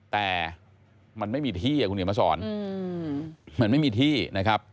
แต่มันไม่มีที่คุณเหนียวมาสอนมันไม่มีที่นะครับ